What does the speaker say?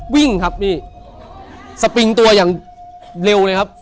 วิ่งครับพี่สปริงตัวอย่างเร็วเลยครับ